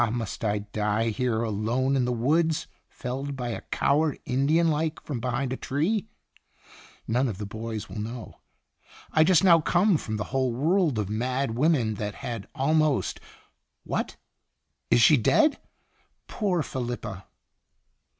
must I die here, alone in the woods, felled by a coward, Indian like, from behind a tree ? None of the boys will know. * I just now come from a whole world of mad women that had almost what, is she dead ?' Poor Felipa!"